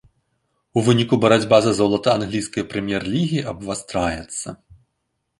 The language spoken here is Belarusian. У выніку барацьба за золата англійскай прэм'ер-лігі абвастраецца.